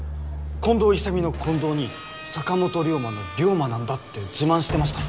近藤勇の近藤に坂本龍馬の龍馬なんだって自慢してました。